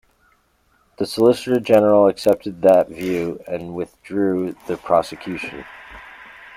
The Solicitor-General accepted that view and withdrew the prosecution.